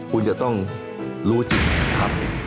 คุณจะต้องรู้จริงทำ